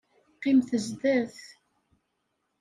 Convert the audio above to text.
Qqimet zdat.